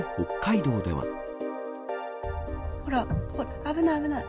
ほら、危ない、危ない。